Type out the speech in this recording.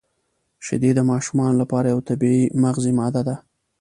• شیدې د ماشومانو لپاره یو طبیعي مغذي ماده ده.